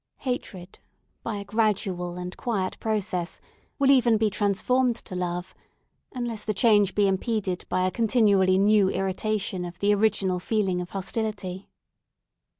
Hatred, by a gradual and quiet process, will even be transformed to love, unless the change be impeded by a continually new irritation of the original feeling of hostility.